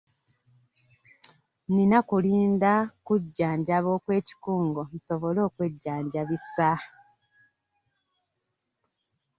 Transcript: Nina kulinda kujjanjaba okw'ekikungo nsobole okwejjanjabisa.